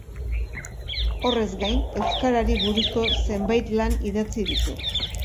Horrez gain, euskarari buruzko zenbait lan idatzi ditu.